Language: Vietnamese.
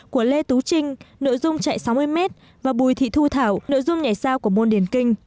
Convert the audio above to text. của lê tú trinh nội dung chạy sáu mươi m và bùi thị thu thảo nội dung nhảy sao của môn điển kinh